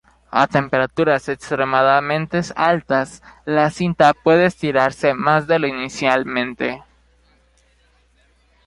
A temperaturas extremadamente altas, la cinta puede estirarse más de lo inicialmente.